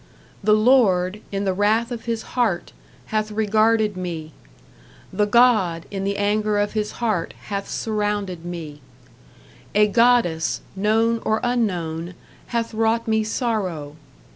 The lord, in the wrath of his heart, hath regarded me; The god, in the anger of his heart, hath surrounded me; A goddess, known or unknown, hath wrought me sorrow....